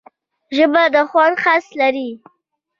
ژبه د خوند حس لري